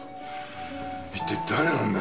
一体誰なんだ？